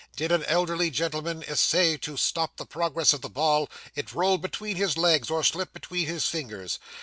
Did an elderly gentleman essay to stop the progress of the ball, it rolled between his legs or slipped between his fingers.